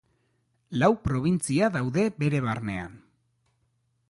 Lau probintzia daude bere barnean.